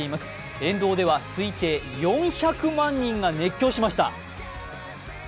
沿道では推定４００万人が熱狂しました。